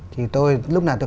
thì tôi lúc nào tôi có những